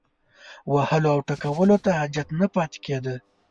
وهلو او ټکولو ته حاجت نه پاتې کېده.